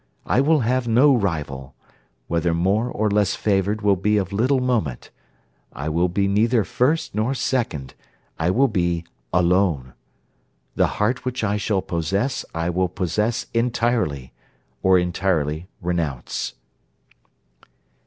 I will have no rival: whether more or less favoured will be of little moment. I will be neither first nor second I will be alone. The heart which I shall possess I will possess entirely, or entirely renounce.'